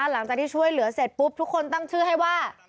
หลังจากที่ช่วยเหลือเสร็จปุ๊บทุกคนตั้งชื่อให้ว่า